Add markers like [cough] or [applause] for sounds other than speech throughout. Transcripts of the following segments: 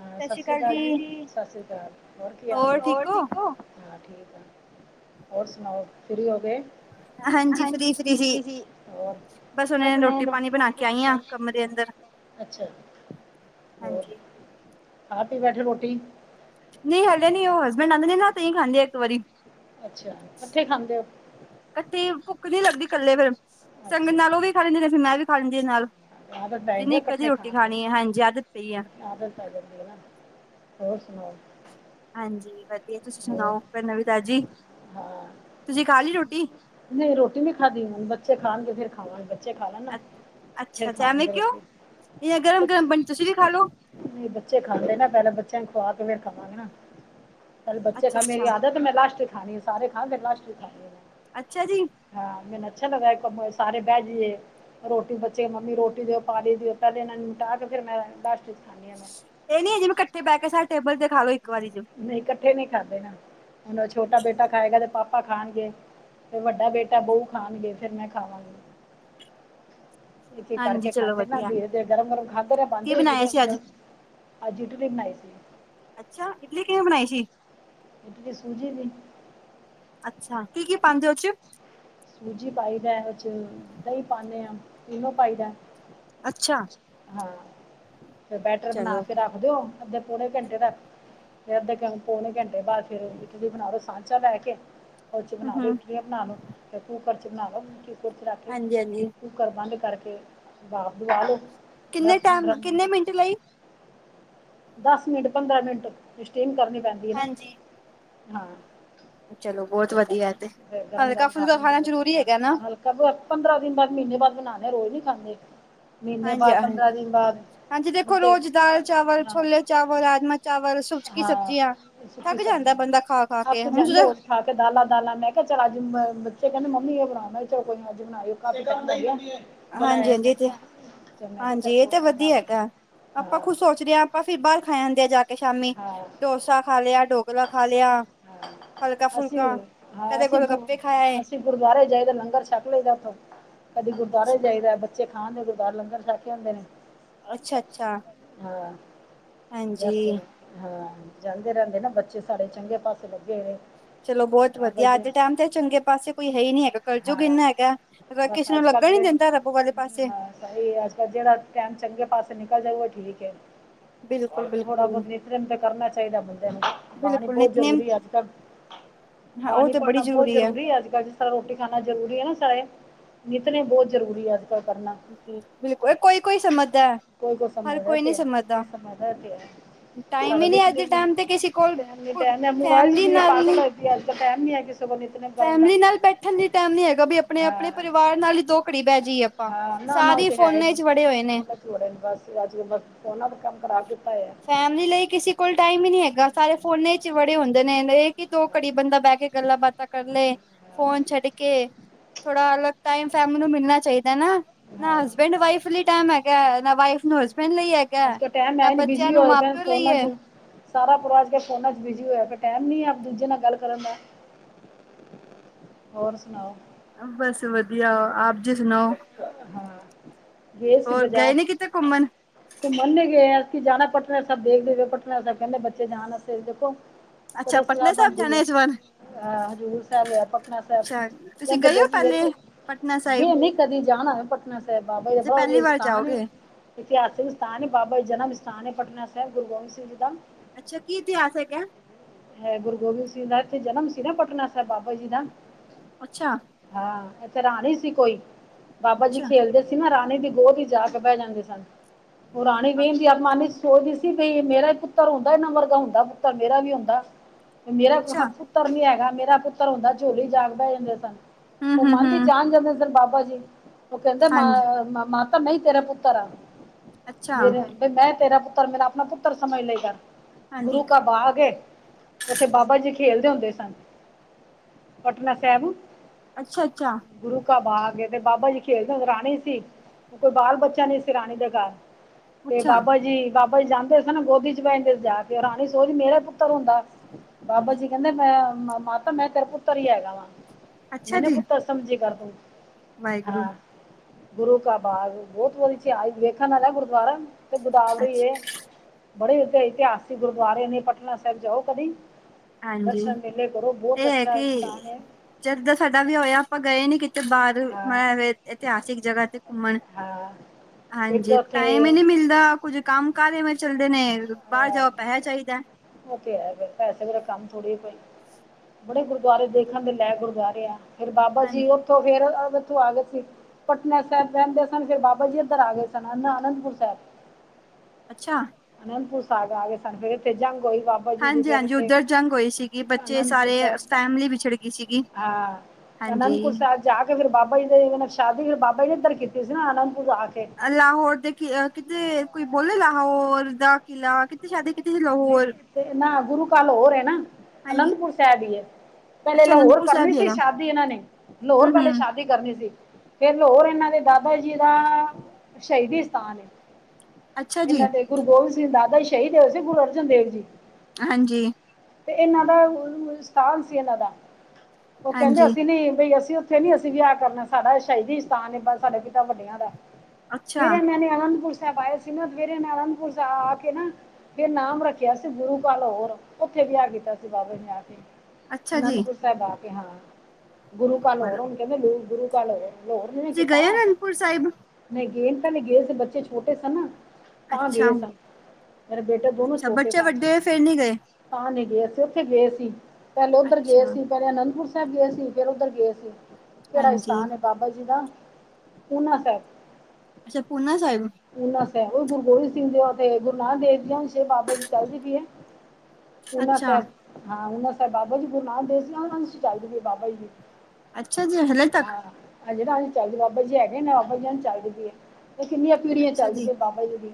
ਹ ਸਤਿ ਸ੍ਰੀ ਅਕਾਲ ਜੀ, ਸਤਿ ਸ੍ਰੀ ਅਕਾਲ ਹੋਰ ਕੀ ਹਾਲ। ਹੋਰ ਠੀਕ ਹੋ। ਹਾਂ ਠੀਕ ਆ ਹੋਰ ਸੁਣਾਓ ਫਰੀ ਹੋ ਗਏ। ਹਾਂਜੀ ਫ੍ਰੀ ਫ੍ਰੀ ਸੀ, ਬਸ ਹੁਨੇ ਰੋਟੀ ਪਾਣੀ ਬਣਾ ਕੇ ਆਈ ਆ। ਅੱਛਾ। ਹੋਰ ਹਾਂਜੀ। ਖਾ ਪੀ ਬੈਠੇ ਰੋਟੀ, ਨਹੀਂ ਹਾਲੇ ਨੀ ਉਹ ਹਸਬੈਂਡ ਆਂਦੇ ਨੇ ਨਾ ਤਹੀ ਖਾਂਦੇ ਆ ਇੱਕ ਵਾਰੀ। ਅੱਛਾ ਇਕੱਠੇ ਖਾਂਦੇ ਹੋ। ਇਕੱਠੀ ਭੁੱਖ ਨੀ ਲੱਗਦੀ ਇਕੱਲੇ ਫੇਰ ਸੰਗ ਅੱਛਾ ਨਾਲ ਉਹ ਵੀ ਖਾ ਲੈਂਦੇ ਨੇ ਫਿਰ ਮੈਂ ਵੀ ਖਾ ਲੈਂਦੀ ਹ ਨਾਲ ਆਦਤ ਪੈ ਜਾਂਦੀ ਹੈ ਜਿੰਨੀ ਕਦੀ ਇਕੱਠੇ ਰੋਟੀ ਖਾਣ ਦੀ ਖਾਣੀ ਹੈ ਹਣ ਆਦਤ ਪਈ ਹੈ। ਆਦਤ ਜਾਂਦੀ ਨਾ, ਹੋਰ ਸੁਣਾਓ? ਹਾਂਜੀ ਵਧੀਆ ਤੁਸੀਂ ਹੋਰ ਸੁਣਾਓ ਕੋਈ ਨਵੀ ਤਾਂਜੀ ਹਾਂ ਤੁਸੀ ਖਾ ਲਈ ਰੋਟੀ। ਨਹੀਂ ਰੋਟੀ ਨ ਨਹੀਂ ਖਾਦੀ, ਬੱਚੇ ਖਾਣਗੇ ਫੇਰ ਖਾਵਾਗੇ, ਬੱਚੇ ਖਾ ਲੈਣ। ਨਾ ਅੱ ਫਿਰ ਅੱਛਾ-ਅੱਛਾ, ਐਵੇਂ ਖਾਣਗੇ ਕਿਉਂ ਰੋਟੀ ਜ ਗਰਮ ਗਰਮ ਬੱਚੇ ਬਣੀ ਤੁਸੀਂ ਵੀ ਖਾਲੋ। ਨਹੀਂ ਬੱਚੇ ਖਾਂਦੇ ਨਾ, ਪੈਂਲਾਂ ਬੱਚਿਆਂ ਨੂੰ ਖਵਾ ਕੇ ਫੇਰ ਖਾਵਾਂਗੇ ਨਾ। ਪਹਿਲੇ ਬੱਚੇ ਖਾ ਲੈਣ, ਮੇਰੀ ਅੱਛਾ-ਅੱਛਾ। ਆਦਤ ਹ ਮੈਂ ਲਾਸਟ ਚ ਖਾਂਦੀ ਆ, ਮੈਂ ਲਾਸਟ ਚ ਖਾਦੀ ਆ। ਅੱਛਾ ਜੀ ਹਾਂ, ਮੈਨੂੰ ਅੱਛਾ ਲੱਗਦਾ ਸਾਰੇ ਬਹਿ ਜਾਈਏ ਰੋਟੀ ਦੇ ਮੰਮੀ ਰੋਟੀ ਦਿਓ, ਪਾ ਦਿਓ ਇਹਨਾਂ ਨੂ ਨਿਪਟਾ ਕੇ ਫਿਰ ਮੈਂ ਲਾਸਟ ਵਿੱਚ ਖਾਦੀ ਹਾਂ ਮੈਂ, ਇਹ ਨੀ ਜਿਵੇਂ ਕੱਠੇ ਬਹਿ ਕੇ ਸਾਰੇ ਟੇਬਲ ਤੇ ਖਾ ਲਓ ਇੱਕ ਵਾਰੀ ਚ ਨਹੀਂ ਕੱਠੇ ਨਹੀ ਖਾਂਦੇ, ਨਾ ਹੁਣ ਛੋਟਾ ਬੇਟਾ ਖਾਏਗਾ ਤੇ ਪਾਪਾ ਖਾਣਗੇ। ਫੇਰ ਵੱਡਾ ਬੇਟਾ ਬਊ ਖਾਣਗੇ, ਫੇਰ ਮੈਂ ਖਾਵਾਂਗੀ। ਇੱਕ ਇਕ ਕਰਕੇ ਹਾਂਜੀ ਚਲੋ ਖਾਂਦੇ ਨਾ ਵਧੀਆ ਧੀਰੇ ਧੀਰੇ ਗਰਮ- ਗਰਮ ਖਾਂਦੇ ਰ ਕੀ ਬਾਂਦੇ ਵੀ ਬਣਾਇਆ ਰੇ ਸੀ ਅੱਜ? ਗਰਮ ਅਜ ਇਡਲੀ ਬਣਾਈ ਸੀ। ਅੱਛਾ ਇਡਲੀ ਕਿਵੇਂ ਬਣਾਈ ਸੀ। ਇਡਲੀ ਸੂਜੀ ਦੀ। ਅੱਛਾ, ਕੀ ਕੀ ਪਾਾਂਦੇ ਹੋ ਵਿਚ। ਸੂਜੀ ਪਾਈ ਦਾ ਵਿੱਚ ਦਹੀਂ ਪਾਂਦੇ ਹਾਂ ਇਨੋ ਪਾਈਦਾ ਹੈ। ਅੱਛਾ ਹਾਂ ਤੇ ਬੈਟਰ ਬਣਾ ਚਲੋ ਕੇ ਰੱਖ ਦਿਓ ਅੱਧੇ ਪੌਣੇ ਘੰਟੇ ਤੱਕ। ਫਿਰ ਅੱਧੇ ਕਨ, ਪੌਣੇ ਘੰਟੇ ਬਾਦ ਫਿਰ ਇਡਲੀ ਬਨਾ ਲੋ, ਸਾਂਚਾ ਲੈ ਕੇ। ਓ ਚ ਹਮ ਬਨਾ ਕੇ ਹਮ ਇਟਲੀਆਂ ਬਨਾ ਲੋ ਫਿਰ ਕੂੱਕਰਚ ਬਨਾ ਲੋ, ਕੁਕਰ ਇਚ ਰੱਖ ਕੇ ਹਾਂਜੀ ਹਾਂਜੀ ਕੁੂੱਕਰ ਬਾੰਦ ਕਾਰਕੇ ਭਾਪ ਦਵਾ ਲੋੋ, ਕਿੰਨੇ ਦਾੱਸ-ਪੰਦਰਾਂ ਟਾਈਮ ਮਿੰਟ ਕਿੰਨੇ ਲਈ ਦਾੱਸ ਮਿੰਟ, ਪੰਦਰਾਂ ਮਿੰਟ ਸਟੀਮ ਕਰਨੀ ਪੈਂਦੀ੍ ਏ ਨਾ, ਹਾਂਜੀ ਹਾਂ। ਚਲੋ ਬੋਤ ਫਿਰ ਬਸ ਵਦੀਐ ਐ ਤੇ, ਫਿਰ ਗਰਮ ਗਰਮ ਖਾ ਹਲਕਾ-ਫੁਲਕਾ ਲੈਂਦੇ ਖਾਨਾ ਬੱਚੇ ਜਰੂਰੀ ਹੈਗਾ ਨਾ। [unintelligible] ਪੰਦਰਾਂ ਦਿਨ ਬਾਦ ਮਹੀਨੇ ਬਾਦ ਬਨਾਨੇ ਆਂ, ਰੋਜ ਨੀ ਖਾਂਦੇ। ਮਹੀਨੇ ਹਾਂਜੀ ਬਾਅਦ ਆ ਪੰਦਰਾਂ ਹਂਜੀ, ਦਿਨ ਬਾਅਦ ਹਾਂਜੀ, ਦੇਖੋ ਮੁੱਦੇ ਰੋਜ ਦਾਲ ਚਾਵਲ ਹਾਂ ਛੋਲੇ ਚਾਵਲ, ਰਾਜਮਾਂ ਚਾਵਲ, ਸੁਚਕੀ ਹਾਂ ਸਬਜੀਆਂ, ਸੁੱਕੀ ਥਾੱਕ ਜਾਂਦੈ ਸਬਜ਼ੀ ਬੰਦਾ ਖਾ-ਖਾ ਕੇ, ਅੱਕ ਹੁਨ ਜਾਂਦੇ ਜਦੋਂ ਰੋਜ਼ ਖਾ ਕੇ ਦਾਲਾਂ-ਦਾਲਾਂ ਮੈਂ ਕੇਆ ਚਲ ਅੱਜ ਮੈਂ, ਬੱਚੇ ਕੈਂਦੇ ਮੰਮੀ ਓ ਬਨਾਉ, ਮੈਂ ਚੋ ਕੋਈ ਨੀ ਅੱਜ ਬਨਾ [unintelligible] ਹਾਂਜੀ, ਹਾਂਜੀ, ਏ ਤੇ ਚੱਲ ਹਾਂਜੀ, ਏ ਕੋਈ ਤੇ ਨਾ ਵਦੀਆ ਹੈਗੈ, ਬਣਾਉਂਦੇ ਆ ਅਪਾਂ ਹਾਂ ਖੂਦ ਸੋਚਰੇ ਆਂ ਅਸੀ ਬਾਰ ਖਾ ਆਂਦੇ ਆ ਜਾ ਕੇ ਸ਼ਾਮੀ, ਹਾਂ ਡੋਸਾ ਖਾ ਲੇਆ, ਢੋਕਲਾ ਖਾ ਲੇਆ ਹਾਂ ਅਸੀਂ ਹਲਕਾ-ਫੁਲਕਾ ਹਾਂ ਕਦੇ ਅਸੀਂ ਗੋਲਗੱਪੇ ਖਾ ਆਏ ਅਸੀਂ ਗੁਰਦੁਆਰੇ ਜਾਈਦੈ ਲੰਗਰ ਛੱਕ ਲਈਦੈ ਉਥੋਂ, ਕਦੇ ਗੁਰਦੁਆਰੇ ਜਾਈਦੈ ਬ ਬੱਚੇ ਖਾ ਆਂਦੇ ਜੇ ਘਾਰ, ਲੰਗਰ ਛੱਕੇ ਆਂਦੇ ਨੇ। ਅੱਛਾ, ਅੱਛਾ। ਹਾਂ, ਜੈਸੇ ਹਾਂਜੀ ਹਾਂ, ਜਾਂਦੇ ਰੈਂਦੇ ਨੇ ਬੱਚੇ ਸਾਡੇ ਚੰਗੇ ਪਾਸੇ ਲੱਗੇ ਹੋਏ ਨੇ। ਚਲੋ ਬੋਤ ਬਾਬਾ ਵਦੀਆ, ਆੱਜ ਜੀ ਦੇ ਟਾਈਮ ਤੇ ਚੰਗੇ ਪਾਸੇ ਕੋਈ ਹੈਈ ਨੀ ਹੈਗਾ, ਕਰਜੂਗ ਹਾਂ ਇੰਨਾ ਹੈਗੈ। ਅਗਰ ਕਿਸੀ ਨੂੰ ਲੱਗਦਾ ਨੀ ਜਨਤਾ ਰੱਬ ਵਾਲੇ ਪਾਸੇ ਸਈ, ਅਜ-ਕਲ ਜੇੜਾ ਟੈਮ ਚੰਗੇ ਪਾਸੇ ਨਿਕਲ ਜਾਏ ਓ ਠੀਕੈ। ਬਿਲਕੁਲ, ਬਿਲਕੁਲ। ਸਿਮਰਨ ਤੇ ਕਰਨਾ ਚਾਈਦੈ ਬੰਦੇ ਨੂੰ, ਬਾਣੀ ਬਿਲਕੁਲ ਬੋਤ ਨਿਤਨੇਮ ਜਰੂਰੀ ਏ ਅੱਜ-ਕੱਲ। ਹਾਂ ਉਹ ਬਾਣੀ ਤਾਂ ਬੜੀ ਪੜਨਾ ਬੋਤ ਜ਼ਰੂਰੀ ਹੈ ਜਰੂਰੀ ਏ ਆੱਜ-ਕਾੱਲ ਰੋਟੀ ਖਾਨਾ ਜਰੂਰੀ ਏ ਨਾ ਸਾਏ, ਨਿਤਨੇਮ ਬੋਤ ਜਰੂਰੀ ਐ। ਤੈ ਕਰਨਾ [unintelligible] ਕੋਈ, ਕੋਈ ਸਮਝਦੈ। ਕੋਈ ਕੋਈ ਸਮਝਦੈ ਐ ਤੇ ਹੈ, ਨਈ ਸਮਝਦਾ ਐ ਤੇ ਹੈ। ਟਾਈਮ ਹੀ ਨਹੀਂ ਅੱਜ ਦੇ ਟਾਈਮ ਤੇ ਕਿਸੇ ਕੋਲ [unintelligible] ਮੋਬਾਇਲ ਚ ਫੈਮਲੀ ਦੁਨੀਆ ਨਾਲ ਪਾਗਲ ਹੋਈ ਪੀ ਏ, ਅਜ-ਕਲ ਟੈਮ ਨੀ ਐ ਕਿਸ ਕਿਸੇ ਕੋਲ ਇਤਨਾ। ਫੈਮਲੀ ਨਾਲ ਬੈਠਨ ਲਈ ਟੈਮ ਨੀ ਹੈਗਾ ਬੀ ਅਪਣੇ-ਅਪਣੇ ਹਾਂ ਪਰਿਵਾਰ ਨਾਲ ਈ ਦੋ ਘੜੀ ਬੈ ਜਈਏ ਅਪਾਂ। ਹਾਂ ਨਾ, ਨਾ ਓ ਤੇ ਹੈ ਨੀ, ਓ ਵਦੀਆ ਰੈਂਦੈ ਅਸੀ ਆੱਜ ਅਂਦਰ, ਓਨਾਂ ਦਾ ਕਾੰਮ ਕਰਾ ਦਿੱਤਾ ਹੋਐ। ਫੈਮਲੀ ਲਈ ਕਿਸੀ ਕੋਲ ਟਾਈਮ ਈ ਨਈ ਹੈਗਾ, ਸਾਰੇ ਫੋਨਾਂ ਇਚ ਵੜੇ ਹੁੰਦੇ ਨੇ, ਏ ਕਿ ਦੋ ਘੜੀ ਬੰਦਾ ਬੈ ਕੇ ਗੱਲਾਂ ਬਾਤਾਂ ਕਰ ਲੇ, ਫੋਨ ਛੱਡ ਕੇ ਥੋੜਾ ਅਲੱਗ ਟਾਈਮ ਫੈਮੱ ਨੂੰ ਮਿਲਨਾ ਚਾਈਦੈ ਨਾ। ਨਾ ਹਾਂ ਹਸਬੈਂਡ ਵਾਈਫ ਲੀ ਟੈਮ ਹੈਗਾ, ਨਾ ਵਾਈਫ ਨੂੰ ਹਸਬੈਂਡ ਲਈ ਹੈ ਅਜ-ਕਲ ਟੈਮ ਐ ਨੀ ਬਿਜੀ ਹੋਏ ਪੇਨ, ਫੋਨਾਂ ਹੈ ਚ। ਸਾਰਾ ਪਰਵਾਰ ਅਜ-ਕਲ ਫੋਨਾਂ ਚ ਬਿਜੀ ਹੋਏਆ ਪੇਆ, ਟੈਮ ਨੀ ਹੈ ਇੱਕ ਦੂਜੇ ਨਾਲ ਗਾੱਲ ਕਰਨ ਦਾ। ਹੋਰ ਸੁਨਾਓ? ਬੱਸ ਵਦੀਆ, ਆਪ ਜੀ ਸੁਨਾਓ? ਹਾਂ, ਗੇ ਸੀ ਗਏ ਬਜਾਰ। ਨੀ ਕਿਤੇ ਘੁੰਮਣ ਘੁੰਮਨ ਨੀ ਗਏ ਅਸੀ, ਜਾਨੈ ਪਟਨਾ ਸੈਬ ਭੇਜ ਦੇਵੋ, ਪਟਨਾ ਸੈਬ ਕੈਂਦੇ ਬੱਚੇ ਜਾਨ ਵਸਤੇ, ਦੇਖੋ ਅੱਛਾ ਕਦੋਂ ਸਲਾਅ ਪਟਨਾ ਸਾਹਿਬ ਬਨਦੀ ਜਾਣਾ ਐ। ਇਸ ਵਾਰ ਆ ਹਜ਼ੂਰ ਸੈਬ ਯਾ ਪਟਨਾ ਸੈਬ ਅੱਛਾ ਤੁਸੀਂ ਕੈਂਦੇ ਗਏ ਪੇ ਹੋ ਸੀ, ਪਹਿਲੇ ਵੇਖੋ ਪਟਨਾ ਸਾਈਬ ਗੇ ਨੀ ਕਦੀ ਜਾਨ ਹੋਏਆ ਪਟਨਾ ਸੈਬ, ਬਾਬਾ ਜੀ ਦਾ ਤੇ ਬੜਾ ਪਹਿਲੀ ਵਦੀਆ ਵਾਰ ਸਥਾਨ ਏ। ਜਾਓਗੇ ਇਤਿਹਾਸਿਕ ਸਥਾਨ ਏ, ਬਾਬਾ ਜਨਮ ਸਥਾਨ ਏ ਪਟਨਾ ਸੈਬ, ਗੁਰੂ ਗੋਬਿੰਦ ਸਿੰਘ ਜੀ ਦਾ। ਅੱਛਾ, ਕੀ ਇਤਿਹਾਸਕ ਹੈ? ਹੈ ਗੁਰੂ ਗੋਬਿੰਦ ਸਿੰਘ ਦਾ ਐਥੇ ਜਨਮ ਸੀ ਨਾ ਪਟਨਾ ਸੈਬ, ਬਾਬਾ ਜੀ ਦਾ। ਅੱਛਾ। ਹਾਂ, ਏਥੇ ਰਾਣੀ ਸੀ ਕੋਈ, ਬਾਬਾ ਜੀ ਅੱਛਾ ਖੇਲਦੇ ਸੀ ਨਾ ਰਾਣੀ ਦੀ ਗੋਦ ਚ ਜਾਕੇ ਬੈ ਜਾਂਦੇ ਸਨ ਓ ਰਾਣੀ ਦੀ ਆਤਮਾ। ਸੋਚਦੀ ਸੀ ਬਈ ਮੇਰਾ ਇਕ ਪੁੱਤਰ ਹੁੰਦਾ ਏਨਾ ਵਰਗਾ ਹੁੰਦਾ ਪੁੱਤਰ ਮੇਰਾ ਵੀ ਹੁੰਦਾ। ਮੇਰਾ ਅੱਛਾ ਪੁੱਤਰ ਹ ਨੀ ਹੈਗਾ ਮੇਰਾ ਪੁੱਤਰ ਹੁੰਦਾ ਝੋਲੀ ਜਾਗ ਬੈ ਜਾਂਦੇ ਸਨ। ਹਮ ਉਹ ਹਮ ਮੰਨ ਦੀ ਹਮ ਜਾਣ ਜਾਂਦੇ ਦਿਨ ਬਾਬਾ ਜੀ ਉਹ ਕੈਂਦੇ ਹਾਂਜੀ ਮੰਨ ਮਾ ਤਾਂ ਮੈ ਈ ਤੇਰਾ ਪੁੱਤਰ ਆ ਅੱਛਾ ਮੇਰੇ ਬ ਮੈਂ ਤੇਰਾ ਪੁੱਤਰ ਮੇਰਾ ਆਪਣਾ ਪੁੱਤਰ ਸਮਝ ਲਈ ਦਾ। ਹਾਂਜੀ ਗੁਰੂ ਕਾ ਬਾਗ ਏ। ਉੱਥੇ ਬਾਬਾ ਜੀ ਖੇਲਦੇ ਹੁੰਦੇ ਸਨ ਪਟਨਾ ਸਾਹਿਬ। ਅੱਛਾ-ਅੱਛਾ। ਗੁਰੂ ਕਾ ਬਾਗ ਏ ਤੇ ਬਾਬਾ ਜੀ ਖੇਲ ਤੇ ਕਰਾਣੀ ਸੀ। ਕੋਈ ਬਾਲ ਬੱਚਾ ਨਹੀ ਸੀ ਰਾਣੀ ਦੇ ਘਰ। ਤੇ ਅੱਛਾ ਬਾਬਾ ਜੀ ਬਾਬਾ ਜੀ ਜਾਂਦੇ ਸਨ ਨਾ ਗੋਦੀ ਚ ਬੈ ਕੇ ਜਾ ਕੇ ਰਾਣੀ ਸੋਚ ਮੇਰਾ ਪੁੱਤਰ ਹੁੰਦਾ। ਬਾਬਾ ਜੀ ਕਹਿੰਦੇ ਮੈਂ ਮਾਤਾ ਮੈਂ ਤੇਰੇ ਪੁੱਤਰ ਹੀ ਹੈਗਾ ਵਾਂ। ਅੱਛਾ ਮੈਨੂੰ ਜੀ ਪੁੱਤਰ ਸਮਝੀ ਕਰਦੋ ਵਾਹਿਗੁਰੂ ਹਾਂ। ਗੁਰੂ ਕਾ ਬਾਗ ਬੋਤ ਵੀ [unintelligible] ਵੇਖਣ ਵਾਲਾ ਗੁਰੂਦੁਆਰਾ। ਗੋਦਾਵਰੀ ਏ ਅੱਛਾ ਬੜੇ ਉਥੇ ਇਤਿਹਾਸਿਕ ਗੁਰਦੁਆਰੇ ਨੇ ਪਟਨਾ ਸਾਹਿਬ ਜਾਓ ਕਦੀ। ਹਾਂਜੀ ਦਰਸ਼ਨ ਵੇਲੇ ਕਰੋ ਬਹੁਤ ਇਹ ਹੈ ਅੱਛਾ ਕਿ ਸਥਾਨ ਐ। ਜਦ ਦਾ ਸਾਡਾ ਵਿਆਹ ਹੋਇਆ ਆਪਾਂ ਗਏ ਨੀ ਕਿਤੇ ਬਾਹਰ ਹਾਂ ਮਤਲਬ ਇਤਿਹਾਸਿਕ ਜਗ੍ਹਾ ਤੇ ਘੁੰਮਣ। ਹਾਂ ਇੱਕ ਹਾਂਜੀ ਉੱਥੇ ਟਾਈਮ ਈ ਨੀ ਮਿਲਦਾ ਕੁੱਝ ਕੰਮ ਕਾਰ ਏਵੇਂ ਚੱਲਦੇ ਨੇ। ਬਾਹਰ ਹਾਂ ਜਾਓ ਪੈਸਾ ਚਾਹੀਦਾ ਬੱਸ ਓ ਤੇ ਹੈ ਪੈਸੇ ਬਿਨਾ ਕੰਮ ਥੋੜੀ ਐ ਕੋਈ। ਬੜੇ ਗੁਰਦੁਆਰੇ ਦੇਖਣ ਦੇ ਲੈ ਗੁਰਦੁਆਰੇ ਆ ਫੇਰ ਬਾਬਾ ਜੀ ਹਾਂਜੀ ਓਥੋਂ। ਫੇਰ ਓਥੋਂ ਆ ਗਏ ਸੀ। ਪਟਨਾ ਸਾਹਿਬ ਰਹਿੰਦੇ ਸਨ ਫਿਰ ਬਾਬਾ ਜੀ ਏਧਰ ਆ ਗਏ ਸਨ ਆਨੰਦਪੁਰ ਸਾਹਿਬ। ਅੱਛਾ। ਅਨੰਦਪੁਰ ਸਾਹਿਬ ਆ ਗਏ ਸਨ ਤੇ ਫੇਰ ਏਥੇ ਜੰਗ ਹੋਈ ਵਾ। ਹਾਂਜੀ, ਹਾਂਜੀ ਉਧਰ ਜੰਗ ਹੋਈ ਸੀਗੀ ਬੱਚੇ ਅਨੰਦਪੁਰ ਸਾਰੇ ਸਾਹਿਬ ਫੈਮਲੀ ਵਿਛੜ ਗਈ ਸੀਗੀ। ਹਾਂਜੀ। ਕੁਝ ਸਾਲ ਜਾ ਕੇ ਫਿਰ ਬਾਬਾ ਜੀ ਸ਼ਾਦੀ ਫਿਰ ਬਾਬਾ ਜ ਨੇ ਇੱਧਰ ਕੀਤੀ ਸੀ ਨਾ ਅਨੰਦਪੁਰ ਆ ਕੇ। ਲਾਹੌਰ ਦੇ ਕੀ ਕਿਤੇ ਕੋਈ ਬੋਲੇਗਾ ਲਾਹੌਰ ਦਾ ਕਿਲਾ ਕਿਤੇ ਕਿੱਥੇ ਸ਼ਾਦੀ ਕੀਤੀ ਸੀ ਲਾਹੌਰ। ਨਾ ਗੁਰੂ ਘਰ ਲਾਹੋਰ ਹੈ ਨਾ ਹਾਂਜੀ ਅਨੰਦਪੁਰ ਸਾਹਿਬ ਹੀ ਹੈ। ਪਹਿਲੇ ਅੱਛਾ ਲਾਹੌਰ ਅਨੰਦਪੁਰ ਸਾਹਿਬ ਕਰਨੀ ਵੀ ਸੀ ਹੈਗਾ ਸ਼ਾਦੀ ਇਹਨਾਂ ਨੇ ਲਾਹੌਰ ਹੂੰ ਪਹਿਲੇ ਸ਼ਾਦੀ। ਹੂੰ ਸ਼ਾਦੀ ਕਰਨੀ ਸੀ ਫੇਰ ਹੋਰ ਏਨਾਂ ਦੇ ਦਾਦਾ ਜੀ ਦਾ। ਸ਼ਹੀਦੀ ਸਥਾਨ ਏ। ਅੱਛਾ ਜੀ ਏਨਾਂ ਦੇ ਗੁਰੂ ਗੋਬਿੰਦ ਸਿੰਘ ਦਾਦਾ ਸ਼ਹੀਦ ਹੋਏ ਸੀ ਗੁਰੂ ਅਰਜਨ ਦੇਵ ਜੀ। ਹਾਂਜੀ। ਤੇ ਏਨਾਂ ਦਾ ਸਥਾਨ ਸੀ ਏਨਾਂ ਦਾ ਉਹ ਕੈਂਦੇ ਹਾਂਜੀ ਅਸੀਂ ਨੀ ਬਈ ਅਸੀਂ ਉਥੇ। ਉਥੇ ਨੀ ਅਸੀਂ ਵੀ ਵਿਆਹ ਕਰਨਾ ਸਾਡਾ ਸ਼ਾਹੀਦੀ ਸਥਾਨ ਏ ਪਰ ਸਾਡਾ ਪਿਤਾ ਵੱਡੀਆ ਦਾ। ਅੱਛਾ ਫੇਰ ਏਨਾਂ ਨੇ ਆਨੰਦਪੁਰ ਸਾਹਿਬ। ਸਾਹਿਬ ਆਏ ਸੀ ਫਿਰ ਏਨੇ ਆਨੰਦਪੁਰ ਸਾਹਿਬ ਆ ਕੇ ਨਾ ਫੇਰ ਨਾਮ ਰੱਖਿਆ ਸੀ ਗੁਰੂ ਕਾ ਲਾਹੌਰ। ਓਥੇ ਵਿਆਹ ਕੀਤਾ ਸੀ ਬਾਬਾ ਜੀ ਨੇ ਆ ਕੇ ਅੱਛਾ ਜੀ ਅਨੰਦਪੁਰ ਸਾਹਿਬ ਆ ਕੇ ਹਾਂ। ਗੁਰੂ ਕਾ ਲਾਹੌਰ ਉਹਨੂੰ ਕਹਿੰਦੇ ਗੁਰੂ ਕਾ ਲਾਹੌਰ। ਲਾਹੌਰ ਨੇ ਤੁਸੀਂ ਕੀਤਾ ਗਏ ਅਨੰਦਪੁਰ ਸਾਹਿਬ? ਨਹੀਂ ਗਏ ਪਹਿਲੇ ਗਏ ਸੀ ਬੱਚੇ ਛੋਟੇ ਸਨ। ਤਾਂ ਅੱਛਾ ਗਏ ਸਾਂ ਮੇਰੇ ਬੇਟੇ ਦੋਨੋ ਛੋਟੇ ਸਨ। ਤਿੰਨ ਈ ਗਏ। ਤਾਂ ਨਹੀ ਗਏ ਸੀ ਉੱਥੇ ਗਏ ਸੀ ਪਹਿਲੇ ਉੱਧਰ ਗਏ ਅੱਛਾ ਸੀ। ਪਹਿਲੇ ਅਨੰਦਪੁਰ ਸਾਹਿਬ ਗਏ ਸੀ ਫੇਰ ਉੱਧਰ ਗਏ ਸੀ। ਕਿਹੜਾ ਹਾਂਜੀ ਸਥਾਨ ਏ? ਬਾਬਾ ਜੀ ਦਾ ਪੂਨਾ ਸਾਹਿਬ। ਅੱਛਾ ਪੂਨਾ ਸਾਹਿਬ। ਪੂਨਾ ਸਾਹਿਬ ਗੁਰੂ ਗੋਬਿੰਦ ਸਿੰਘ ਦੇ ਗੁਰੂ ਨਾਨਕ ਦੇਵ ਜੀ ਬਾਬਾ ਜੀ ਚੱਲਦੀ ਪਈ ਏ। ਓਨਾ ਅੱਛਾ ਸਾਹਿਬ ਹਾਂ ਨਾ ਸਾਹਿਬ ਬਾਬਾ ਜੀ ਗੁਰੂ ਨਾਨਕ ਦੇਵ ਜੀ ਉਹ ਨੂੰ ਸਚਾਈ ਦੇਗੇ ਬਾਬਾ ਜੀ ਦੀ ਅੱਛਾ ਜੀ ਹਲੇ ਤੱਕ ਹਾਂ ਹਜੇ ਤਾਂ ਚੱਲਦੀ ਬਾਬਾ ਜੀ ਹੈਗੇ ਨਾ ਬਾਬਾ ਜੀ ਚੱਲਦੀ ਪਈ ਏ। ਤੇ ਕਿੰਨੀਆਂ ਪਿਰੀਆਂ ਅੱਛਾ ਜੀ ਚੱਲਦੀਆਂ ਬਾਬਾ ਜੀ ਦੀ।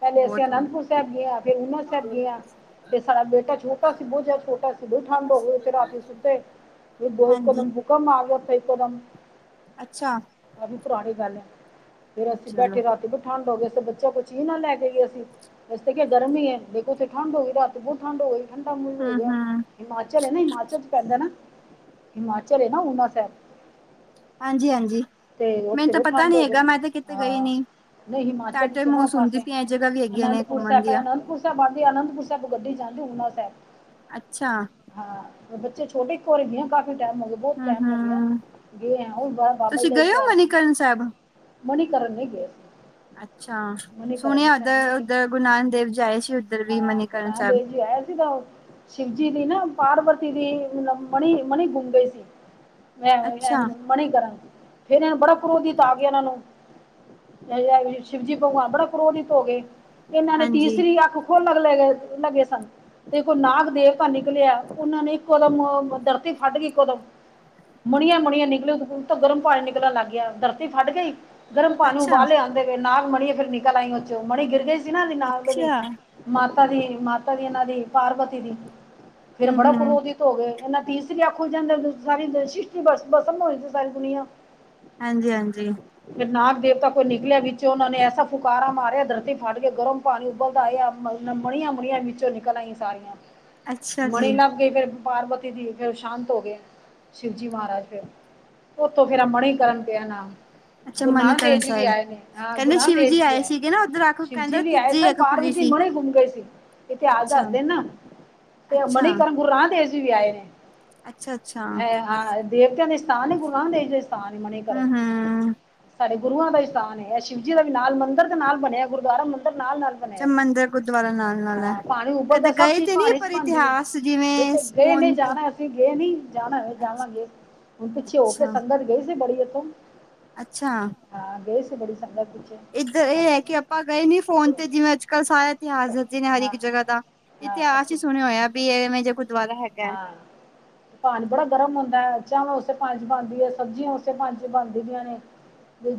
ਪਹਿਲੇ ਅਸੀਂ ਬਹੁਤ ਅਨੰਦਪੁਰ ਸਾਹਿਬ ਗਏ ਫਿਰ ਹੇਮਕੁੰਟ ਸਾਹਿਬ ਗਏ ਆ। ਸਾਡਾ ਬੇਟਾ ਛੋਟਾ ਸੀ ਬਹੁ ਜ਼ਿਆਦਾ ਛੋਟਾ ਸੀ ਬਹੁਤ ਠੰਢ ਹੋ ਗਈ ਉਥੇ ਰਾਤੀ ਸੁੱਤੇ ਹਾਂਜੀ ਭੁਕੰਪ ਆ ਗਿਆ ਇੱਕੇ ਦਮ। ਅੱਛਾ। ਆਹ ਵੀ ਪੁਰਾਣੀ ਗੱਲ ਐ ਫੇਰ ਅਸੀਂ ਚਲੋ ਬੈਠੇ ਰਾਤੀ ਵੀ ਠੰਡ ਹੋ ਗਏ ਤੇ ਬੱਚਾ ਕੁ ਮਰਜ਼ੀ ਨਾਲ ਲੈ ਕੇ ਆਈ ਆ ਇਸ ਤੇ ਕਿ ਗਰਮੀ ਹੈ ਦੇਖੋ ਉੱਥੇ ਠੰਡ ਹੋਈ ਰਾਤ ਬਹੁਤ ਠੰਢ ਹੋ ਗਈ ਘੰਟ ਹੋ ਹੂੰ ਗਿਆ ਹੂੰ ਹਿਮਾਚਲ ਹੈ ਨਾ ਹਿਮਾਚਲ ਚ ਪੈਂਦਾ ਨਾ ਹਿਮਾਚਲ ਹੈ ਨਾ ਉਣਾ ਸ਼ਹਿਬ ਹਾਂਜੀ ਹਾਂਜੀ ਤੇ ਮੈਨੂੰ ਓਥੇ ਤਾਂ ਵੀ ਪਤਾ ਠੰਡ ਨੀ ਹੋ ਹੈਗਾ ਗਈ ਮੈਂ ਤੇ ਕਿਤੇ ਗਈ ਹਾਂ ਨੀ ਨਹੀਂ ਹਿਮਾਚਲ ਤੁਹਾਡੇ ਚ ਨਾ ਮੂੰਹੋਂ ਸੁਣਦੀ ਪਾਸੇ ਪਈ ਇਹ ਜਗ੍ਹਾ ਵੀ ਹੈਗੀਆਂ ਨੇ ਅਨੰਦਪੁਰ ਘੁੰਮਣ ਸਾਹਿਬ ਦੀਆਂ ਅਨੰਦਪੁਰ ਬਣ ਆਨੰਦਪੁਰ ਸਾਹਿਬ ਗੱਡੀ ਜਾਂਦੀ ਹਰਮਿੰਦਰ ਸਾਹਿਬ। ਅੱਛਾ। ਹਾਂ ਬੱਚੇ ਛੋਟੇ ਕੋਰੇ ਵੀ ਆ ਕਾਫੀ ਟਾਈਮ ਹੋ। ਬਹੁਤ ਹੂੰ ਟਾਈਮ ਹੋ ਗਿਆ ਹੂੰ ਗਏ ਆ ਹੁਣ ਬਾਬਾ ਤੁਸੀਂ ਜੀ ਗਏ ਹੋ ਦਾ ਮਨੀਕਰਨ ਸਾਹਿਬ ਮਨੀਕਰਨ ਨੀ ਗਏ ਅੱਛਾ ਮਨੀਕਰਨ ਸੁਣਿਆ ਸਾਹਿਬ ਨਹੀਂ ਉੱਧਰ ਗਏ ਉਧਰ ਗੁਰੂ ਨਾਨਕ ਦੇਵ ਜੀ ਆਏ ਸੀ ਉੱਧਰ ਵੀ ਹਾਂ ਗੁਰੂ ਮਨੀਕਰਨ ਨਾਨਕ ਸਾਹਿਬ ਦੇਵ ਜੀ ਆਇਆ ਸੀਗਾ ਓ ਸ਼ਿਵਜੀ ਦੀ ਨਾ ਪਾਰਵਤੀ ਦੀ ਮਨੀ ਮਨੀ ਗੁੰਮ ਗਈ ਸੀ। ਮੈਂ ਅੱਛਾ [unintelligible] ਮਨੀਕਰਨ ਬੜਾ ਕ੍ਰੋਧਿਤ ਆ ਗਿਆ ਉਹਨਾਂ ਨੂੰ ਅ ਸ਼ਿਵਜੀ ਭਗਵਾਨ ਬੜਾ ਕ੍ਰੋਧਿਤ ਹੋ ਗਏ ਇਹਨਾਂ ਨੇ ਹਾਂਜੀ ਤੀਸਰੀ ਅੱਖ ਖੋਲਣ ਲੱਗੇ ਸਨ ਦੇਖੋ ਨਾਗ ਦੇਵਤਾ ਨਿਕਲਿਆ ਉਹਨਾਂ ਨੇ ਇੱਕ ਕਦਮ ਧਰਤੀ ਫੱਟ ਗਈ ਇੱਕੋ ਦਮ ਮੁਣੀਆਂ ਮੁਣੀਆਂ ਨਿਕਲਿਓ ਦੂਲ ਤੋਂ ਗਰਮ ਪਾਣੀ ਨਿਕਲਣ ਲੱਗ ਗਿਆ ਧਰਤੀ ਫਟ ਗਈ। ਗਰਮ ਪਾਣੀ ਅੱਛਾ ਉਬਾਲ ਲਿਆਂਦੇ ਗਏ ਨਾਗ ਮਣੀ ਏ ਫਿਰ ਨਿਕਲ ਆਈ ਓ ਚੋ ਮਣੀ ਗਿਰ ਗਈ ਸੀ ਨਾ ਨਾਗ ਦੇ ਨੀ। ਅੱਛਾ ਮਾਤਾ ਦੀ ਮਾਤਾ ਦੀ ਇਹਨਾਂ ਦੀ ਪਾਰਵਤੀ ਦੀ ਫੇਰ ਹੂੰ ਬੜਾ ਹੂੰ ਕ੍ਰੋਧਿਤ ਹੋ ਗਏ ਇਹਨਾ ਤੀਸਰੀ ਅੱਖ ਖੁੱਲ ਜਾਂਦਾ ਸਾਰੀ ਸ੍ਰਿਸ਼ਟੀ ਬਸਮ ਹੋਈ ਸੀ ਸਾਰੀ ਦੁਨੀਆ। ਹਾਂਜੀ ਹਾਂਜੀ। ਫਿਰ ਨਾਗ ਦੇਵਤਾ ਕੋਈ ਨਿਕਲਿਆ ਵਿੱਚੋਂ ਉਹਨਾਂ ਨੇ ਐਸਾ ਫੁਕਾਰਾ ਮਾਰਿਆ ਧਰਤੀ ਫਟਗੀ ਗਰਮ। ਪਾਣੀ ਉਬਲਦਾ ਆਇਆ [unintelligible] ਮੁਣੀਆਂ ਵਿੱਚੋਂ ਨਿਕਲ ਆਈ ਸਾਰੀਆਂ ਅੱਛਾ ਮਣੀ ਜੀ ਲੱਭ ਕੇ ਫਿਰ ਪਾਰਵਤੀ ਦੀ ਫੇਰ ਸ਼ਾਂਤ ਹੋ ਗਏ ਸ਼ਿਵਜੀ ਮਹਾਰਾਜ ਫੇਰ ਓਥੋਂ ਫੇਰ ਮਣੀਕਰਨ ਪਿਆ ਨਾਲ। ਅੱਛਾ ਗੁਰੂ ਨਾਨਕ ਦੇਵ ਮਨੀਕਰਨ ਜੀ ਵੀ ਸਾਹਿਬ ਆਏ ਨੇ ਹਾਂ ਗੁਰੂ ਕਹਿੰਦੇ ਨਾਨਕ ਸ਼ਿਵ ਦੇਵ ਜੀ ਵੀ ਆਏ ਸੀਗੇ ਨਾ ਉੱਧਰ ਅੱਖ ਸ਼ਿਵ ਜੀ ਕਹਿੰਦਾ ਵੀ ਆਏ ਤੀਜੀ ਸਭ ਅੱਖ ਖੁੱਲੀ ਪਾਰਵਤੀ ਸੀ ਮੁੜ ਘੁੰਮ ਗਏ ਸੀ ਇਤਿਹਾਸ ਅੱਛਾ ਦੱਸਦੇ ਨਾ ਤੇ ਅੱਛਾ ਮਨੀਕਰਨ ਗੁਰੂ ਰਾਮ ਦੇਵ ਜੀ ਵੀ ਆਏ ਨੇ ਅੱਛਾ ਅੱਛਾ ਹੈ, ਹਾਂ ਦੇਵਤਿਆਂ ਦੇ ਸਥਾਨ ਗੁਰੂ ਨਾਨਕ ਦੇਵ ਦੇ ਸਥਾਨ ਹੂੰ ਮਨੀਕਰਨ ਹੂੰ ਸਾਡੇ ਗੁਰੂਆਂ ਦਾ ਹੀ ਸਥਾਨ ਐ ਸ਼ਿਵ ਜੀ ਦਾ ਵੀ ਨਾਲ ਮੰਦਿਰ ਦੇ ਨਾਲ ਬਣਿਆ ਗੁਰਦੁਆਰਾ ਮੰਦਿਰ ਨਾਲ ਨਾਲ ਤੇ ਬਣਿਆ ਨੇ ਮੰਦਿਰ ਗੁਰਦੁਆਰਾ ਨਾਲ ਨਾਲ ਹੈ ਹਾਂ ਪਾਣੀ ਉਬਲਦਾ ਕਦੇ ਸਭ ਗਏ ਚੀਜ਼ ਤੇ ਨੀ ਪਾਣੀ ਚ ਪਰ ਬਣਦੀ ਆ ਇਤਿਹਾਸ ਜਿਵੇਂ ਬੇਟੇ ਗਏ ਨੇ ਸਪੋਨ ਤੇ ਜਾਣਾ ਅਸੀਂ ਤੁਸੀਂ ਗਏ ਨੀ ਜਾਣਾ ਜਾਵਾਂਗੇ ਹੁਣ ਪਿੱਛੇ ਹੋ ਕੇ ਅੱਛਾ ਸੰਗਤ ਗਈ ਸੀ ਬੜੀ ਇਥੋਂ ਅੱਛਾ। ਹਾਂ ਗਏ ਸੀ ਬੜੀ ਸੰਗਤ ਇੱਧਰ ਇਹ ਐ ਅਸੀਂ ਕਿ ਆਪਾਂ ਗਏ ਨੀ ਫੋਨ ਤੇ ਜਿਵੇਂ ਅੱਜ ਕੱਲ੍ਹ ਸਾਰਾ ਇਤਿਹਾਸ ਦੇ ਜਿਹਨੇ ਹਰ ਹਾਂ ਇੱਕ ਜਗ੍ਹਾ ਦਾ ਹਾਂ ਇਤਿਹਾਸ ਹੀ ਅਸੀਂ ਸੁਣਿਆ ਹੋਇਆ ਵੀ ਐਵੇਂ ਜੇ ਗੁਰਦੁਆਰਾ ਹੈਗਾ। ਹਾਂ ਪਾਣੀ ਬੜਾ ਗਰਮ ਹੁੰਦਾ ਚਾਵਾਂ ਉਸੇ ਪਾਣੀ ਚ ਬਣਦੀ ਐ ਸਬਜ਼ੀਆਂ ਉਸੇ ਪਾਣੀ ਚ ਬਣਦੀਆਂ ਨੇ।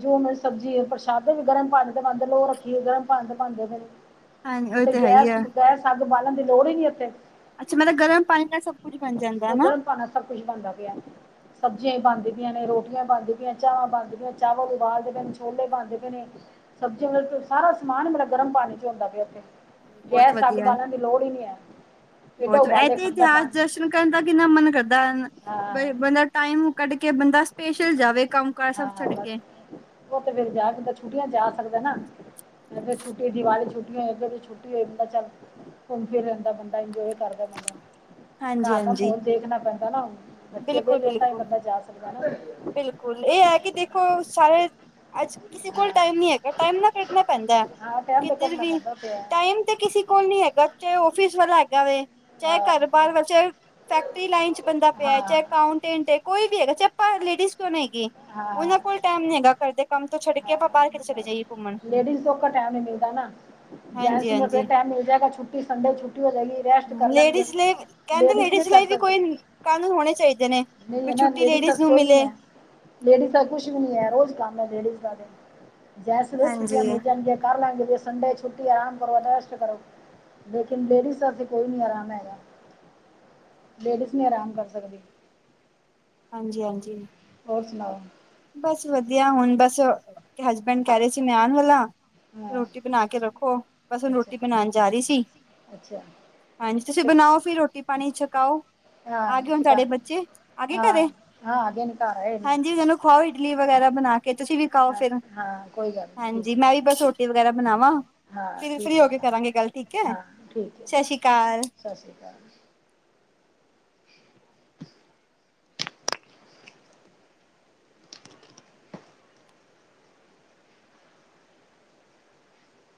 ਜੋ ਸਬਜ਼ੀ ਪ੍ਰਸ਼ਾਦੇ ਵੀ ਗਰਮ ਪਾਣੀ ਤੇ ਪਾਂਦੇ ਲੋ ਰੱਖੀਏ ਗਰਮ ਪਾਣੀ ਤੇ ਪਾਂਦੇ ਨੇ ਹਾਂਜੀ ਉਹ ਤੇ ਹੈ ਹੀ ਗੈਸ ਆ ਗੈਸ ਅੱਗ ਬਾਲਣ ਦੀ ਲੋੜ ਹੀ ਨੀ ਉੱਥੇ। ਅੱਛਾ ਮਤਲਬ ਗਰਮ ਪਾਣੀ ਨਾਲ ਸਭ ਕੁੱਝ ਬਣ ਜਾਂਦਾ ਹਨਾ। ਪਾਵਾ ਸਭ ਕੁੱਛ ਬਣਦਾ ਪਿਆ। ਸਬਜ਼ੀਆਂ ਬਣਦੀ ਪਿਆਂ ਨੇ, ਰੋਟੀਆਂ ਬਣਦੀ ਪਿਆਂ ਨੇ, ਚਾਵਾਂ ਬਣਦੀਆਂ, ਚਾਵਲ ਉਬਾਲਦੇ ਪੈਣੇ, ਛੋਲੇ ਬਣਦੇ ਪਏ ਨੇ- ਸਬਜ਼ੀਆਂ ਮਤਲਬ ਸਾਰਾ ਸਮਾਨ ਮਤਲਬ ਗਰਮ ਪਾਣੀ ਚ ਹੁੰਦਾ ਪਿਆ ਉੱਥੇ। ਬਹੁਤ ਗੈਸ ਅੱਗ ਵਧੀਆ ਬਾਲਣ ਦੀ ਲੋੜ ਈ ਨੀ ਹੈ। ਏਡਾ ਬਹੁਤ ਉਬਾਲੇ ਇੱਥੇ ਖਾਂਦਾ ਇਤਿਹਾਸ ਪਾਣੀ ਦਰਸ਼ਨ ਕਰਨ ਦਾ ਕਿੰਨਾ ਮਨ ਕਰਦਾ ਅਨ ਹਾਂ ਵਰਨਾ ਬੰਦਾ ਟਾਈਮ ਕੱਢ ਕੇ ਬੰਦਾ ਸਪੇਸ਼ਲ ਜਾਵੇ ਕੰਮ ਕਾਰ ਸਭ ਹਾਂ ਹਾਂ ਛੱਡ ਬਸ। ਕੇ ਉਹ ਤੇ ਫੇਰ ਜਾ ਬੰਦਾ ਛੁੱਟੀਆਂ ਜਾ ਸਕਦਾ ਨਾ ਛੁੱਟੀ ਦੀਵਾਲੀ ਛੁੱਟੀਆਂ ਏਧਰ ਵੀ ਛੁੱ ਦਾ ਚੱਲ ਘੁੰਮ ਫਿਰ ਲੈਂਦਾ ਬੰਦਾ ਇੰਜੋਏ ਕਰਦਾ ਬੰਦਾ। ਹਾਂਜੀ ਘੱਰ ਦਾ ਹਾਂਜੀ ਮੌਲ ਦੇਖਣਾ ਪੈਂਦਾ ਨਾ ਬੱਚੇ ਵਿਹਲੇ ਤਾਂ ਹੀ ਬੰਦਾ ਜਾ ਸਕਦਾ ਨਾ। ਬਿਲਕੁੱਲ ਇਹ ਹੈ ਕਿ ਦੇਖੋ ਸਾਰੇ ਅੱਜ ਕਿਸੇ ਕੋਲ ਹਾਂ। ਟਾਈਮ ਨੀ ਹੈਗਾ ਟਾਈਮ ਨਾ ਕੱਢਣਾ ਪੈਂਦਾ। ਹਾਂ ਟਾਈਮ ਤੇ ਕਿੱਧਰ ਕੱਢਣਾ ਵੀ ਪੈਂਦਾ ਪਿਆ ਟਾਈਮ ਤੇ ਕਿਸੇ ਕੋਲ ਨੀ ਹੈਗਾ ਚਾਹੇ ਆੱਫਿਸ ਵਾਲਾ ਹੈਗਾ ਵੇ। ਚਾਹੇ ਹਾਂ ਘੱਰ-ਬਾਰ ਵਾ ਚਾਹੇ ਫੈਕਟਰੀ ਲਾਈਨ ਚ ਬੰਦਾ ਪਿਆ, ਹਾਂ ਚਾਹੇ ਅਕਾਊਂਟੈਂਟ ਕੋਈ ਵੀ ਹੈਗਾ ਚਾਏ ਪ ਲੇਡੀਜ ਕਿਉਂ ਨਾ ਹੈਗੇ- ਹਾਂ ਉਹਨਾਂ ਕੋਲ ਟੈਮ ਨੀ ਹੈਗਾ ਘੱਰਦੇ ਦੇ ਕੰਮ ਤੋਂ ਛੱਡ ਕੇ ਆਪਾਂ ਹਾਂ ਬਾਹਰ ਕਿਤੇ ਚਲੇ ਜਾਈਏ ਘੁੰਮਣ। ਲੇਡੀਜ਼ ਕੋ ਸੋਖਾ ਟੈਮ ਨੀ ਮਿਲਦਾ ਨਾ। ਜੈਂਟਸ ਹਾਂਜੀ ਨੂੰ ਤੇ ਫਿਰ ਹਾਂਜੀ ਟਾਈਮ ਮਿਲ ਜਾਏਗਾ ਛੁੱਟੀ ਸੰਡੇ ਛੁੱਟੀ ਹੋ ਜਾਏਗੀ ਰੈਸਟ ਕਰ ਲੈਣਗੇ। ਲੇਡੀਜ਼ ਲਈ ਕਹਿੰਦੇ ਲੇਡੀਜ਼ ਨਹੀਂ ਕਰ ਲਈ ਵੀ ਸਕਦੀ ਕੋਈ ਕਾਨੂੰਨ ਹੋਣੇ ਚਾਹੀਦੇ ਨੇ ਨਹੀਂ ਵੀ ਐ ਨਾ ਛੁੱਟੀ ਲੇਡੀਜ਼ ਸਭ ਨੂੰ ਕੋਈ ਵੀ ਮਿਲੇ ਐ। ਲੇਡੀਜ਼ ਦਾ ਕੁੱਛ ਵੀ ਨੀ ਐ ਰੋਜ਼ ਕੰਮ ਐ ਲੇਡੀਜ਼ ਦਾ ਤੇ। ਜੈਂਟਸ ਨੂੰ ਫਿਰ ਛੁੱਟੀਆਂ ਹਾਂਜੀ ਮਿਲ ਜਾਣਗੇ ਕਰ ਲੈਣਗ ਸੰਡੇ ਛੁੱਟੀ ਆਰਾਮ ਰੈਸਟ ਕਰੋ। ਲੇਕਿਨ ਲੇਡੀਜ਼ ਦਾ ਤੇ ਕੋਈ ਨੀ ਆਰਾਮ ਹੈਗਾ ਲੇਡੀਜ਼ ਨੀ ਆਰਾਮ ਕਰ ਸਕਦੀ। ਹਾਂਜੀ-ਹਾਂਜੀ। ਹੋਰ ਸੁਨਾਓ? ਬਸ ਵਧੀਆ ਹੁਣ ਬਸ ਹਸਬੈਂਡ ਕਹਿ ਰਹੇ ਸੀ ਮੈਂ ਆਣ ਵਾਲਾ ਹਾਂ ਰੋਟੀ ਬਣਾ ਕੇ ਰੱਖੋ ਬਸ ਹੁਣ ਅੱਛਾ ਰੋਟੀ ਬਣਾਣ ਜਾ ਰਹੀ ਸੀ। ਅੱਛਾ ਹਾਂਜੀ ਤੁਸੀ ਬਣਾਓ ਫਿਰ ਰੋਟੀ-ਪਾਣੀ ਛਕਾਓ ਹਾਂ ਅਗੇ ਹੁਣ ਤਾਡੇ ਸ਼ੁਕਰਾਨੇ ਬੱਚੇ ਆਗੇ ਹਾਂ ਘੱਰੇ ਹਾਂ ਆਗੇ ਨੇ ਘਰ ਆਏ ਨੇ ਹਾਂਜੀ ਚੱਲੋ ਖਵਾਓ ਇਡਲੀ ਵਗੈਰਾ ਬਣਾ ਕੇ ਤੁਸੀਂ ਵੀ ਕਾਓ ਹਾਂ ਫਿਰ ਹਾਂ ਕੋਈ ਗੱਲ ਨਹੀਂ ਹਾਂਜੀ ਠੀਕ ਹੈ ਮੈਂ ਵੀ ਬਸ ਰੋਟੀ ਵਗੈਰਾ ਬਣਾਵਾਂ ਹਾਂ ਠੀਕ ਫ੍ਰੀ ਹੈ ਹੋ ਕੇ ਬਣਾ ਕਰਾਂਗੇ ਗੱਲ ਠੀਕ ਐ ਹਾਂ ਠੀਕ ਹੈ ਸਾ ਸ਼੍ਰੀ ਕਾਲ। ਸਤਿ ਸ਼੍ਰੀ ਅਕਾਲ।